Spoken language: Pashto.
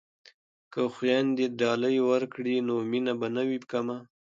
که خویندې ډالۍ ورکړي نو مینه به نه وي کمه.